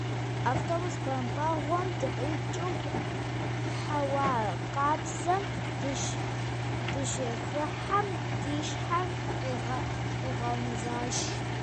Автобус бампӀэгъуэм дыкъикӀыу хьэуа къабзэм дыщыхыхьэм, ди щхьэр къигъэунэзащ.